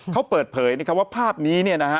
เขาเปิดเผยว่าภาพนี้นะครับ